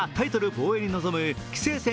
防衛に臨む棋聖戦